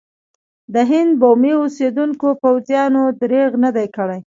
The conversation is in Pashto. د هند بومي اوسېدونکو پوځیانو درېغ نه دی کړی.